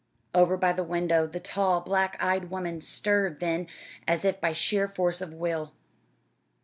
Over by the window the tall, black eyed woman stirred then, as if by sheer force of will.